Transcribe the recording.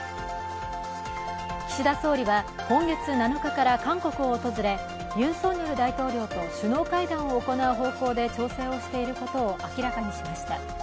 岸田総理は、今月７日から韓国を訪れ、ユン・ソンニョル大統領と首脳会談を行う方向で調整をしていることを明らかにしました。